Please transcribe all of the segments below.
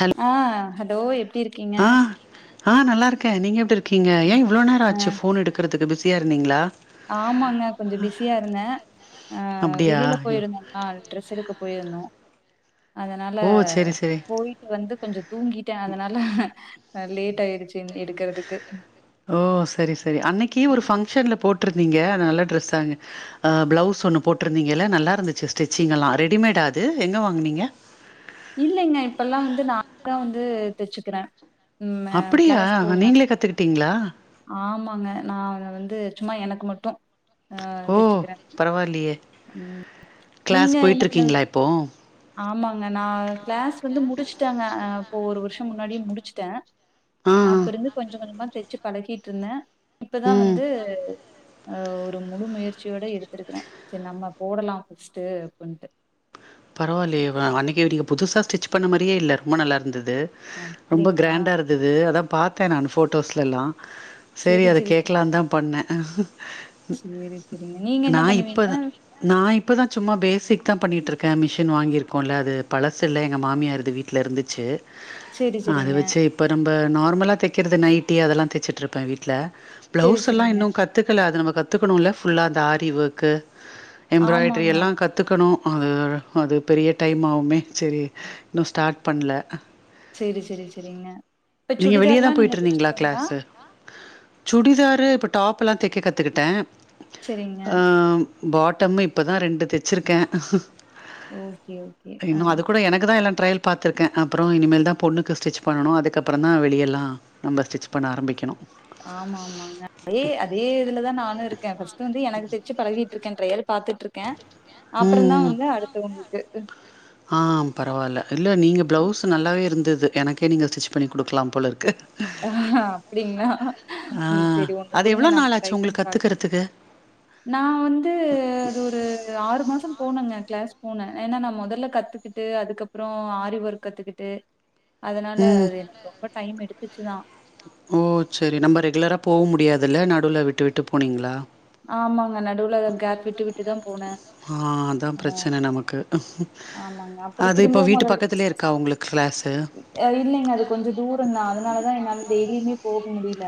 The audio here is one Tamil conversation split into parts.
ஹலோ ஆ ஹலோ எப்டி இருக்கீங்க ஆ ஆ நல்லாருக்கே நீங்க எபடி இருக்கீங்க ஏ இவ்ளோ நேர அ ஆச்சு போன் எடுக்கறதுக்கு பிஸியா இருந்தீங்களா ஆமாங்க கொஞ்ச பிஸியா இருந்தே ஆ அப்டியா வெளியில போயிருந்தங் ஆ ட்ரெஸ் எடுக்க போயிருந்தோ அதனால ஓ செரி செரி போய்ட்டு வந்து கொஞ்ச தூங்கிட்டே அதனால லேட் ஆயிடுச்சு எடுக்கறதுக்கு ஓ சரி சரி அன்னைக்கு ஒரு பங்க்ஷன்ல போட் ருந்தீங்க நல்ல டிரெஸ்ஸாங்க ஆ ப்ளவுஸ் ஒன்னு போட்டிருந்தீங்கல்ல நல்லா இருந்துச்சு ஸ்டிச்சிங்க் எல்லாமன ரெடிமேடா அது எங்க வாங்கனீங்க இல்லைங்க இப்பெல்லா வந்து நா தா வந்து தச்சுக்கிறே ம் அ அப்படியா கிளாஸ் போவே நீங்களே கத்துகிட்டீங்களா ஆமாங்க நா அத வந்து சும்மா எனக்கு மட்டு ஆ ஓ தச்சுக்கிறே ம் க்ளாஸ் போய்ட்ருக்கீங்களா இப்போ ஆமாங்க நா கிளாஸ் வந்து முடுச்சுட்டேங்க அ இப்போ ஒரு வருஷோ முன்னாடியே முடுச்சுட்டே ஆ அப்ப இருந்து கொஞ்ச கொஞ்சமா தச்சு பழகிட்டு இருந்தே இப்பதா ம் வந்து ஆ ஒரு முழு முயற்சியோட எடுத்துருக்கிறே செர் நம்ம போடலா ஃபர்ஸ்ட்டு அப்புண்டு பரவால்லயே வ அன்னக்கி நீங்க புதுசா ஸ்டிச் பண்ண மாரியே இல்ல ரொம்ப நல்லா இருந்தது ரொம்ப அப்டிங்களா கிராண்டா இரு ந்தது அதா பாத்தே நானு போட்டோஸ்லல்லா செரி அத கேக்கலான் தா பண்ணே செரி செரிங்க நீங்க என்ன நா பண்ணுவீங்க இப்பதா நா இப்பதா சும்மா பேசிக் தா பண்ணிட்ருக் கே மிஷின் வாங்கிருக்கோல அது பழசு இல்ல எங்க மாமியார் இது வீட்ல இருந்துச்சு செரி அது செரிங்க வச்சே இப்ப நம்ப நார்மலா தைக்கிறது நைட்டி அதல்லா தச்சுட்ருப்பே வீட்ல செரி பிளவுஸ் எல்லா செரிங்க இன்னு கத் கத்துக்கல அத நம்ம கத்துக்கணு இல்ல ஃபுல்லா இந்த ஆரி ஒர்க்கு எம்ராய்டரி ஆமாங்க எல்லா கத்து கத்துக்கணு அது அது பெரிய டைம் ஆவுமே சரி இன்னு ஸ்டார்ட் பண்ல செரி செரி செரிங்க இப்ப நீங்க வெளிய சுடிதார்ல்லா தான் நீங்க போயிட்ருந்தீங்களா தச்சுருவீங்களா கிளாஸு சுடிதாரு இப்ப டாப்பல்லா தக்க கத்துக்கிட்டே செரிங்க அ பாட்டம்மு இப்ப தா ரெண்டு தச்சுருக்கே ஓகே ஓ இன்னு அது கூட எனக்கு தா எல்லா ட்ரைல் பாத்ருக்கே அப்பறோ இனிமேல் தா பொண்ணுக்கு ஸ்டிச் பண்ணணு அதுக்கப்பறந் தா வெளியலா நம்ப ஸ்டிச் பண்ண ஆரம்பிக்கணு ஆமா ஆமாங்க அதே அதே இதுலதா நானு இருக்கே ஃபர்ஸ்ட்டு வந்து எனக்கு தச்சு பழகிட்டு இருக்கே ட்ரையல் பாத்துட்ருக் கே அப்பறந் தா ம் வந்து அடுத்தவுங்களுக்கு ஆ பரவால்ல இல்ல நீங்க ப்ளவுஸ் நல்லாவே இருந்தது எனக்கே நீங்க ஸ்டிச் பண்ணி குடுக்கலா போல இருக்கு அப்டிங்களா ஆ ம் சரி ஒண்ணு அது குடுங்க எவ்ளோ நம்ம ட்ரை நாளாச்சு பண்ணி உங்களுக்கு பாக்கலா கத்துக்கறதுக்கு நா வந்து அது ஒரு ஆறு மாசோ போனங்க கிளாஸ் போனே ஏனா நா மொதல்ல கத்து கிட்டு அதுக்கப்பறோ ஆரி ஒர்க் கத்துக்கிட்டு [inaudible] அதுனால ம் அது எனக்கு ரொம்ப டைம் எடுத்துச்சு தா ஓ செரி நம்ம ரெகுலராக போக முடியாதுல்ல நடுல விட்டு விட்டு போனீங்ளா ஆமாங்க நடூல கேப் விட்டு விட்டுதா போனே ஆ அதா பிரச்சன நமக்கு ஆமாங்க. அப்புறம் அது இப்ப திரும்பவும் வீட்டு முதல் பக்கத்துலயே இருக்கா உங்களுக் கிளாஸு அ இல்லைங்க அது கொஞ்சோ தூரந்தா அதுனாலதா என்னால டெய்லியுமே போக முடில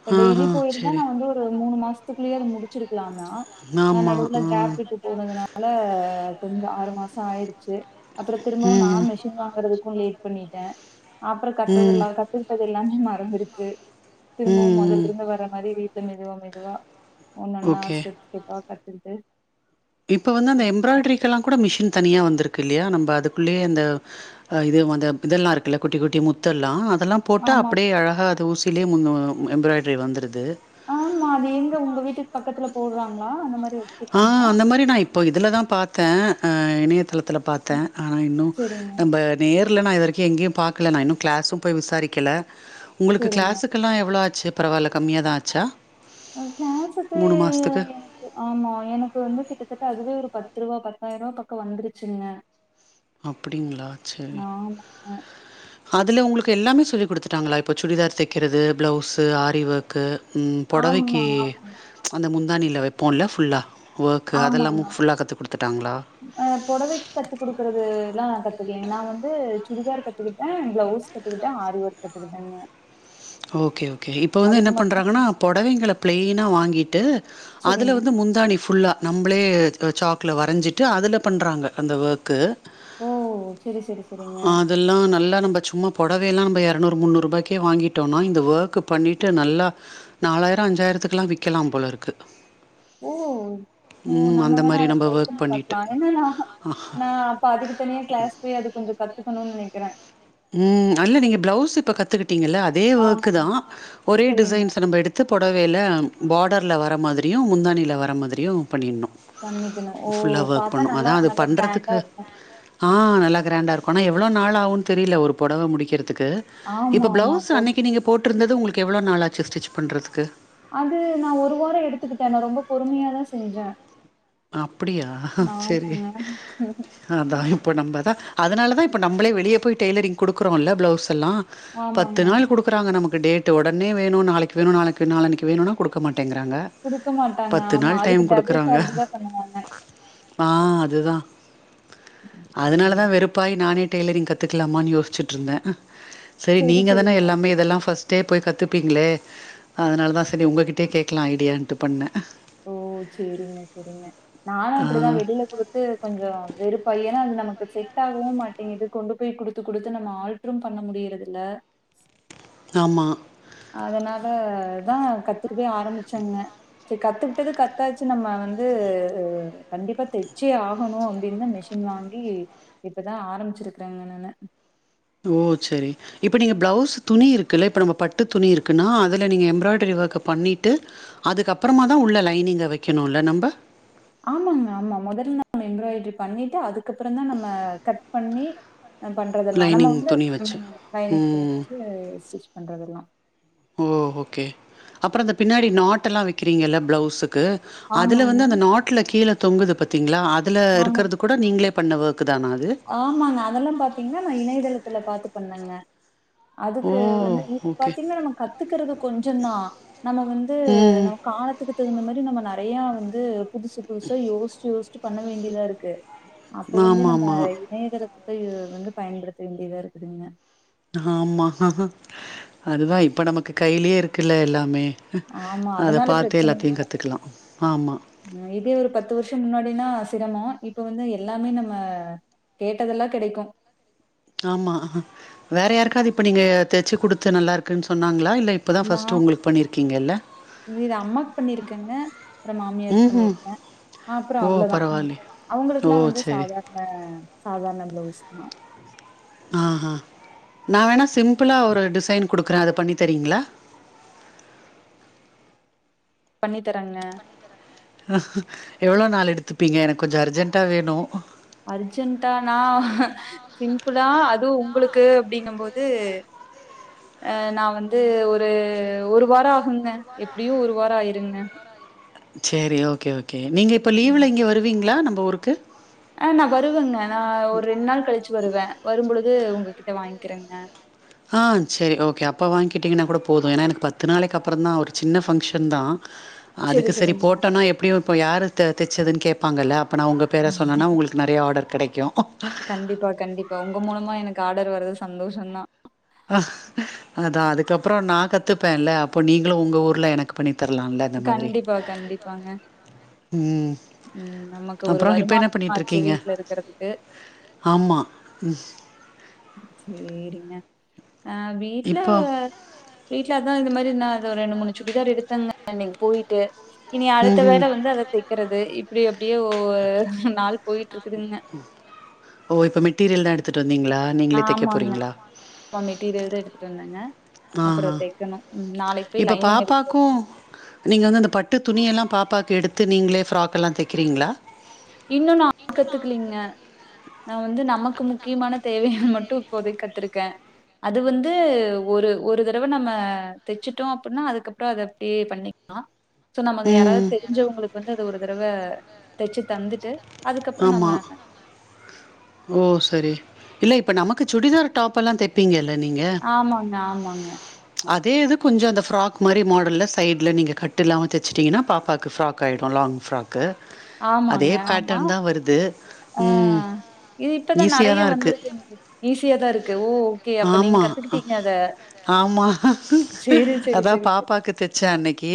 இப்ப ஆ டெய்லி ஆ போயிருந்தா சரி நா வந்து ஒரு மூணு மாசத்துக்குள்ளயே அது முடுச்சுருக்கலாந் தா நா ஆமா நடுவுல ஆ கேப் விட்டு போனதுனால கொஞ்சோ ஆறு மாசோ ஆயிருச்சு அப்பறோ திரும்பவு நா ம் ம் மிஷின் வாங் குறதுக்கு லேட் பண்ணிட்டே அப்பறோ ம் கத்ததெல்லா கத்துக்கிட்டது எல்லாமே மறந்துருச்சு திரும்பவு ம் மொதல்ல இருந்து வர்ற மாரி வீட்ல மெதுவா மெதுவா ஒன்னொன்னா ஓகே ஸ்டேப் ஸ்டெப்பா கத்துரு இப்ப வந்து அந்த எம்ப்ராய்டரிக்கல்லா கூட மிஷின் தனியா வந்திருக்கு இல்லயா நம்ப அதுக்குள்ளயே அந்த அ இது வந்த இதல்லா இருக்குல்ல குட்டி குட்டி முத்தல்லா அதல்லா போட்டா ஆமா அப்டியே அழகா அது ஊசியிலயே மு முன் எம்ராய்டரி வந்துடுது ஆமா அது எங்க உங்க வீட்டுக்கு பக்கத்துல போடுறாங்களா அந்த மாரி ஆ வச்சிருக்காங்களா அந்த மாரி நா இப்போ இதில தான் பாத்தேன் இணையதளத்திலப் பாத்தேன் ஆனா இன்னும் செரிங்க நம்ப நேர்ல நான் இதுவரைகும் எங்கேயும் பாக்ல இன்னும் கிளாஸும் போய் விசாரிக்கல உங்களுக்கு செரிங்க கிளாஸுக் கெல்லாம் எவ்ளோ ஆச்சு பரவால கம்மியா தா ஆச்சா ஒரு கிளாஸ்க்கு மாசத்துக்கு? ஆமா எனக்கு வந்து கிட்டத்தட்ட அதுவே ஒரு பத்து ரூபா பத்தாயிர ரூபா பக்கம் வந்துருச்சுங்க அப்டிங்களா செரி ஆமாங்க அதுல உங்களுக்கு எல்லாமே சொல்லி கொடுத்துட்டாங்களா இப்போ சுடிதார் தைக்கிறது ப்ளவுஸு ஆரி ஒர்க்கு ம் ஆமா பொடவைக்கு ஆமா அந்த முந்தாணியில வைப்போம்ல ஃபுல்லா ஒர்க்கு ஆமாங்க அதெல்லாமும் ஃபுல்லா கத்துக் குடுத்துட்டாங்களா அ பொடவைக் கத்து குடுக்கறது எல்லா கத்துக்கலே நா வந்து சுடிதார் கத்துக்கிட்டேன் பிளவுஸ் கத்துகிட்டேன் ஆரி ஓர்க் கத்துகிட்டேங்க ஓகே ஓகே இப்போ வந்து என்ன மட்டும் பண்ணுறாங்கனா பொடவைங்கள ப்ளெயினா வாங்கிட்டு அதுல செரிங்க வந்து முந்தாணி ஃபுல்லா நம்புளே ஜாக்குல வரஞ்சிட்டு அதுல பண்ணுறாங்க அந்த ஒர்க்கு ஓ செரி செரி செரிங்க இதெல்லாம் நல்லா நம்ப சும்மா பொடவயெல்லாம் நம்ம எரநூறு முன்னூறு ரூபாய்க்கே வாங்கிட் ட்டோம்னா இந்த ஒர்க் பண்ணிட்டு நல்லா நாலாயிரம் அஞ்சாயிரத்துக்கலா விக்கலாம் போல இருக்கு ஓ ம் நம்ம அந்த வேணா மாரி அத நம்ம ட்ரை ஒர்க் பண்ணி பண்ணிட்டு. பாக்கலாம் என்னனா நா இப்ப அதுக்கு தனியா கிளாஸ் போய்அத கொஞ்ச கத்துகுணும்னு நெனைக்கிறேன் ம் அல்ல நீங்க பிளவுஸ் இப்ப கத்துக்கிட்டீங்கல்ல அதே ஒர்க்கு ஆமாங்க தான் ஒரே செரிங்க டிசைன்ஸ் நம்ம எடுத் த்து புடவையில பார்டர்ல வர மாதிரியும் முந்தாணியில வர மாதிரியும் பண்ணிட்ணும் பண்ணிக்கணு ஓ ஃபுல்லா ஒர்க் பாத்தா பண்ணு நல்லா அதா அது நல்லா கிராண்டா பண்றதுக்கு இருக்கு ஆ நல்லா க்ராண்டா இருக்கும் ஆனா எவ்ளோ நாள் ஆவும்ன்னு தெரியல ஒரு பொடவ முடிக்கிறதுக்கு ஆமா இப்ப ஆமா ப்ளவுஸ் அப்போ அன்னைக்கு நீங்க போட்டிருந்தது உங்களுக்கு எவ்ளோ நாள் ஆச்சு ஸ்டிச் பண்றதுக்கு அது நா ஒரு வாரம் எடுத்துக்கிட்டேன் ந ரொம்ப பொறுமையாதான் செஞ்சேன் அப்டியா சரி அதான் ப்ப நம்மதான் அதனால தா இப்ப நம்மளே வெளிய போய் டெ்லரிங் குடுக்றோம்ல்ல பிளவுஸ் எல்லாம் பத்து ஆமாங்க நாள் குடுக் குறாங்க நமக்கு டேட்டு ஒடனே வேணும் நாளைக்கு வேணும் நாளைக்கு நாளான்னைக் வேணுனா கொடுக்க மாட்டேங்கிறாங்க குடுக்க மாட்டாங்க பத்து ஆமா நாள் அதுக்கு டைம் டபுள் குடுக்குறாங்க சார்ஜ் தான் பண்ணுவாங்க ஆ அதுதான் சேரி அதனாலதான் வெறுப் பாயி நானே டெய்லரிங் கத்துக்கலாமான்னு யோசிச்சட்டு இருந்தேன் சரி சேரி நீங்க செரிங்க தானே எல்லாமே இதெல்லாம் பஸ்ட் ஸ்டே போய் கத்துப்பீங்களே அதனால தான் சரி உங்ககிட்ட கேட்கலாம் ஐடியான்ட்டு பண்னேன் ஓ சேரிங்க செரிங்க நானும் ஆ அப்டிதா வெளியில குடு த்து கொஞ்சம் வெறுப்பாயி ஏன்னா அது நமக்கு செட் ஆகவும் மாட்டேங்குது கொண்டு போய் குடுத்து குடுத்து நம்ம ஆள் ம் பண்ண முடியறத இல்ல ஆமா அதனாலதான் கத்துக்கவே ஆரம்பிச்சங்க சரி கத்துக்கிட்டது கத்தாச்சு நம்ம வந்து கண்டிப்பா தெச்சே ஆகணும் அப்டின்னுதா மெஷி ன் வாங்கி இப்பதான் ஆரம்பிச்சிருக்கறேங்க நானு ஓ செரி இப்ப நீங்க பிளவுஸ் துணி இருக்குல்ல இப்ப நம்ம பட்டு துணி இருக்குன்னா அதுல நீங்க எம்ப்ராய்டரி ஒர்க்க பண்ணிட்டு அதுக்கப்புறமா தான் உள்ள லைனிங்க வைக்கணும்ல நம்ம ஆமாங்க ஆமா முதல்ல நம்ம எம்ப்ராய்டரி பண்ணிட்டு அதுக்கப்புறம் தான் நம்ம கட் பண்ணி பண்றதெல்லாம் நம்ம லைனிங் உள்ள துணி உ வச்சு. லைனிங் துணி ம். வச்சு ஸ்டிச் பண்றதெல்லாம் ஓ ஓகே அப்புறம் இந்த பின்னாடி நாட்டெல்லாம் வைக்கிறீங்கல்ல ப்ளவுஸுக்கு அதுல ஆமாங்க, வந்து அந்த நாட்ல கீழ தொங்குது பத்தீங்களா அதுல ஆமா. இருக்கிறதுக் கூட நீங்களே பண்ண ஒர்க்கு தான அது ஆமாங்க அதெல்லாம் பாத்தீங்கன்னா நா இணையதளத்துல பாத்து பண்ணங்க ஓ! அதுக்கு வந்து இப்ப ஓகே. பாத்தீங்கன்னா நம்ம கத்துக்கிறது கொஞ்சம் தான் நம்ம வந்து ம். நம்ம காலத்துக்கு தகுந்த மாதிரி நம்ம நிறைய வந்து புதுசு புதுசா யோசிச்சு யோசிச்சு பண்ண வேண்டியதா இருக்கு அப்ப வந்து நம்ம ஆமாமா. இணையத்தளத்த வந்து பயன்படுத்த வேண்டியதா இருக்குதுங்க ஆமா அதுதான் இப்ப நமக்கு கையிலயே இருக்குல்ல எல்லாமே ஆமா, அத அதனால பாத்தே பிரச்சனை எல்லாத்தையும் இல்ல. கத்துக்கலாம் ஆமா இதே ஒரு பத்து வருஷம் முன்னாடினா சிரமம் இப்ப வந்து எல்லாமே நம்ம கேட்டதெல்லாம் கிடைக்கும் ஆமா வேற யாருக்காவது இப்ப நீங்க தச்சு குடுத்து நல்லா இருக்குன் சொன்னாங்களா இல்ல இப் இப்ப தான் ஃபர்ஸ்டு உங்களுக்கு பண்ணிருக்கீங்க இல்ல இ இது அம்மாக்கு பண்ணிருக்கேங்க அப்புறம் மாமியாருக்கு ம்ஹும் பண்ணிருக்கேன் அப்புறம் ஓ அவ்வளோதான் உம் பரவாயில்லே ஓ அவுங்களுக்கெல்லாம் வந்து சரி சாதாரண சாதாரண ப்ளவுஸ் தான் அ ஆ நா வேணா சிம்பிளா ஒரு டிசைன் குடுக்குறேன் அத பண்ணி தரீங்களா பண்ணி தரேங்க எவ்ளோ நாள் எடுத்துப்பீங்க எனக்கு கொஞ்சம் அர்ஜென்ட்டா வேணும் அர்ஜென்டானா சிம்பிளா அதுவும் உங்களுக்கு அப்படிங்க போது அ நா வந்து ஒரு ஒரு வாரம் ஆகுங்க எப்படியும் ஒரு வாரம் ஆயிருங்க சேரி ஓகே ஓகே நீங்க இப்ப லீவ்ல இங்க வருவீங்களா நம்ம ஊருக்கு ஆ நான் வருவேங்க நான் ஒரு ரெண்டு நாள் கழிச்சு வருவேன் வரும் பொழுது உங்ககிட்ட வாங்கிக்கிறேங்க ஆ சரி ஓகே அப்போ வாங்கிட்டிங்கன்னா கூட போதும் ஏனா எனக்கு பத்து நாளைக்கு அப்புற தான் ஒரு சின்ன ஃபங்க்ஷன் தான் ஆஹ்ஹ் செரி அதுக்கு சரி செரிங்க போட்டோனா எப்படியும் இப்போ யார் தைச்சதுன் கேப்பாங்கல்ல அப்போ நா உங்க பேரை சொன்னேன்னா உங்களுக்கு நிறைய ஆர்டர் கிடைக்கும் கண்டிப்பா கண்டிப்பா உங்க மூலமா எனக்கு ஆர்டர் வர்றது சந்தோஷம்தான் அதான் அதுக்கப்புறம் நா கத்துப்பேன்ல்ல அப்போ நீங்களும் உங்க ஊர்ல எனக்கு பண்ணிதரலாம்ல அந்த மாதிரி கண்டிப்பா கண்டிப்பாங்க உம் ம் நமக்கு ஒரு அப்புறம் இப்ப என்ன வருமானம் பண்ணிட்டு ஆச்சு இருக்கீங்க வீட்ல இருக்கறதுக்கு ஆமா சேரிங்க அ வீட்டுல இப்போ வீட்டுல அதான் இந்த மாதிரி என்னா அத ஒரு ரெண்டு மூணு சுடிதார் எடுத்தங்க இன்னைக்கு போயிட்டு இனி அடுத்த ம்ஹ்ம். வேளை வந்து அத தைக்கறது இப்படி அப்படியே ஒவ்வோர் நாள் போயிட்டு இருக்குதுங்க ஓ இப்போ மெட்டீரியல் தான் எடுத்துட்டு வந்தீங்களா நீங்களே தைக்க போறீங்களா ஆ மெட்டீரியல் தா எடுத்துட்டு வந்தேங்க அப்புறம் ஆஹா. தைக்கணும் ம் நாளைக்கு போய் லைனிங் எடுத்து ஆ நீங்க வந்து அந்த பட்டு துணியெல்லாம் பாப்பாக்கு எடுத்து நீங்களே ஃப்ராக் எல்லாம் தைக்கிறீங்களா இன்னும் நா கத்துக்கலீங்க நான் வந்து நமக்கு முக்கியமான தேவைகள் மட்டும் இப்போதைக்கு கத்திருக்கேன் அது வந்து ஒரு ஒரு தடவ நம்ம தச்சுட்டோ அப்டின்னா அதுக்கப்பறோ அத அப்டியே பண்ணி ஆ சோ நம்ம அங்க யாராவது ம். தெரிஞ்சவங்களுக்கு வந்து அத ஒரு தடவ தைச்சு தந்துட்டு அதுக்கப்றோ ஆமா நம்ம ஓ செரி இல்ல இப்ப நமக்கு சுடிதார் டாப் எல்லா தைப் பீங்களே நீங்க ஆமாங்க ஆமா ஆமாங்க அதே இது கொஞ்சோ அந்த ஃப்ராக் மாரி மாடல்ல சைடில நீங்க கட்டு இல்லாம தைச்சுட்டீங்கன்னா பாப்பாக்கு ஃப்ராக் காயிடு லாங் ஃப்ராக்கு அதே ஆமாங்க. ஆமா. பேட்டர்ன் தா வருது ஆ ம். இது இப்பதா ஈஸியா நெறைய தான் இருக்கு. வந்திருக்கு ஈஸியாதா இருக்கு ஊ கே அப்ப நீங்க ஆமா கத்துக்கிட்டீங்க அத ஆமா சரி, சரி, அதா சரி, சரி. பாப்பாக்கு தச்ச அன்னைக்கு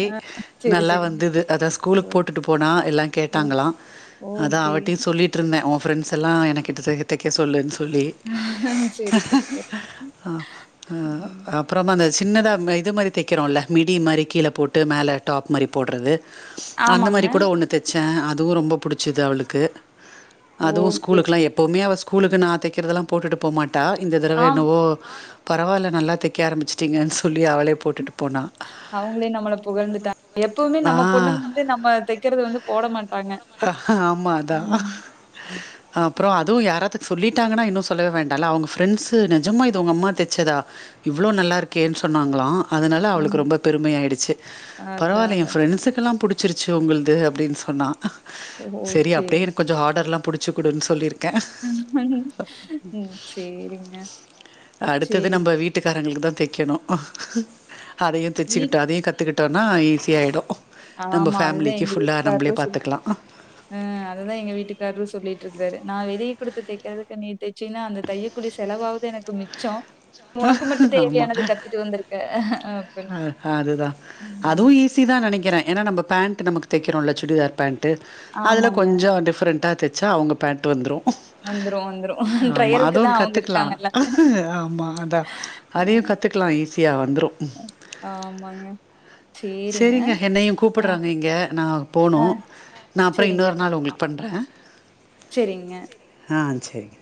சரி, நல்லா சரிங்க. வந்தது அதா ஸ்கூ ஓ! ஸ்கூலுக்கு போட்டுட்டு போனா எல்லா ஓ! கேட்டாங்களா அதா ஓகே. அவட்டையு சொல்லிட் விட்டுருந்தே உன் ஃப்ரெண்ட்ஸ் எல்லா என கிட்ட கிட்ட தைக்க சொல்லுன்னு சொல்லி ஆ செரி செரி செரி ஆ அ அப்பறமா அந்த சின்னதா இது மாரி தைக்கிறோல மிடி மாரி கீழ போட்டு மேல டாப் மாரி போட்றது அந்த ஆமாங்க. மாரி கூட ஒன்னு தச்சே அதுவு ரொம்ப புடிச்சிது அவளுக்கு அதுவு ஓகே. ஸ்கூலுக்கு எல்லா எப்பவுமே அவ ஸ்குலுக்கு நா தைக்கிறதெல்லா போட்டுட்டு போமாட்டா இந்த தடவ ஆம். ஓ பரவாயில்ல நல்லா தைக்க ஆரம்பிச்சுட்டீங்கன்னு சொல்லி அவளே போட்டுட்டு போனா அவங்களே நம்மள புகழ்ந்துட்டாங்க எப்பவுமே நம்ம நான் பொண்ணுங்க வந்து நம்ம தைக்கறது வந்து போட மாட்டாங்க அ ஆமா அதா ம். அப்றோ அதுவு யாராது சொல்லிட்டாங்கன்னா இன்னு சொல்லவே வேண்டால்ல அவங்க பிரரெண்ட்ஸ் இ நிஜமா இது உங்க அம்மா தச்சதா இவ்ளோ நல்லா இருக்கேன்னு சொன்னாங்களா அதனால ஆமா. அவளுக்கு ரெம்ப பெருமைையா ஆகிடுச்சு அதான், பரவாயில்ல என் அதான். ஃப்ரெண்ட்ஸுக்கெல்லா பிடிச் சிரிச்சு உங்களது அப்படினு சொன்னா ஓ! செரி அப்டியே சரிங்க. எனக்கு கொஞ்சோ ஆர்டர்லா புடிச்சு குடுன்னு சொல்லியிருக்கே [unintelligible] ம் சேரிங்க அடுத்தது நம்ம வீட்டுக்காரங்களுக்கு தா தைக்கணு அதையு வீட் தச்சிக்கிட்டு அதயு கத்துக்கிட்டோனா ஈஸியாயிடு நம்ம ஆமா. அதுதான் ஃபேமிலிக்கு ஃபுல்லா நம்மளே பார்த்துக்கலா ஆ அததா எங்க வீட்டுக்காரரு சொல்லிட்டு இருக்காரு நா வெளியே குடுத்த தைக்கறதுக்கு நீ தை ச்சீனா அந்த தையக்கூலி செலவாவது எனக்கு மிச்சோ உனக்கு மட்டு தேவையானது கத்துட்டு வந்திரு ஆ ஆ அதுதா அதுவு ஈஸி தா நெனைக்கிறே ஏன்னா நம்ப பேண்ட் நமக்கு தைக்கிறோல்ல சுடிதார் பேண்ட் ட்டு அதில ஆமாங்க கொஞ்சோ டிஃப்ரெண்ட்டா தைச்சா அவங்க பேண்ட் வந்துரு வந்துரு வந்துரு ஆமா ட்ரையலுக்கு அதுவு தா அவங்க கத்துக்கலா இருக்காங்கல்ல ஆ ஆமா அதா அ அதையு கத்துக் லா ஈஸியா வந்துரு ஆமாங்க சேரிங்க செரிங்க என்னைய ஆ கூப்பிட்றாங்க இங்க நா போனு ஆ நா அப்றோ இன்னொரு நாள் உங்களுக்கு பண்றே செரிங்க ஆ செரிங்க